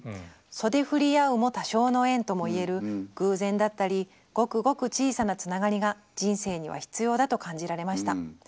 「袖振り合うも多生の縁ともいえる偶然だったりごくごく小さなつながりが人生には必要だと感じられました。